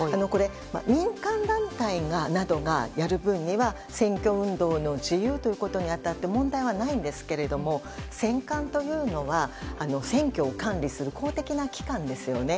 民間団体などがやる分には選挙運動の自由ということに当たって問題はないんですが選管というのは選挙を管理する公的な機関ですよね。